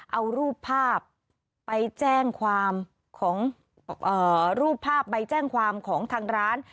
เอารูปภาพไปแจ้งความของทางร้าน